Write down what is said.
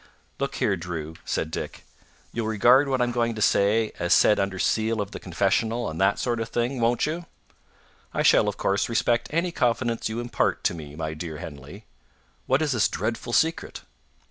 "Look here, Drew," said Dick; "you'll regard what I'm going to say as said under seal of the confessional and that sort of thing, won't you?" "I shall, of course, respect any confidence you impart to me, my dear Henley. What is this dreadful secret?"